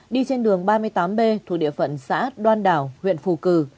đi trên đường ba mươi tám b thuộc địa phận xã đoan đảo huyện phù cử